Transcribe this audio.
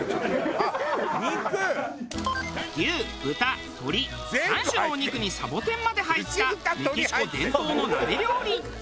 牛豚鶏３種のお肉にサボテンまで入ったメキシコ伝統の鍋料理。